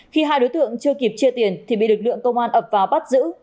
khi hai đối tượng chưa kịp chia tiền thì bị lực lượng công an ập vào bắt giữ